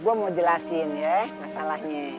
gue mau jelasin ya masalahnya